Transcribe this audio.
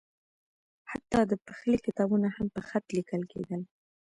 حتی د پخلي کتابونه هم په خط لیکل کېدل.